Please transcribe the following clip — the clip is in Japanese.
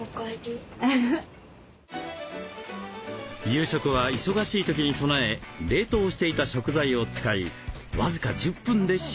夕食は忙しい時に備え冷凍していた食材を使い僅か１０分で仕上げます。